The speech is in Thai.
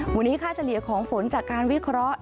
วันนี้ค่าเฉลี่ยของฝนจากการวิเคราะห์